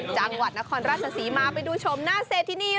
จังหวัดนครราชศรีมาไปดูชมหน้าเศรษฐินี